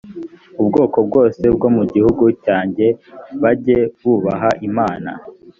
ubwoko bwose bwo mu gihugu cyanjye bajye bubaha imana